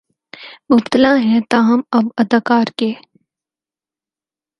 مبتلا ہیں تاہم اب اداکار کے